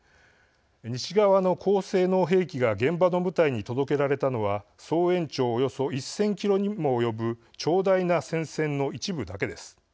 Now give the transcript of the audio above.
西側の高性能兵器が現場の部隊に届けられたのは総延長およそ１０００キロにも及ぶ長大な戦線の一部だけです。